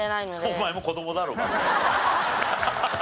お前も子供だろうが。